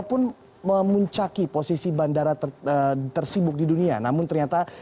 ini mencapai tiga persen